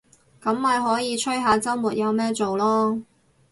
噉咪可以吹下週末有咩做囉